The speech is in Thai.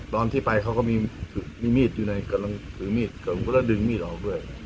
ตอนที่ไปเขาก็มีมีดอยู่ในกำลังถือมีดกับผมก็เลยดึงมีดออกด้วย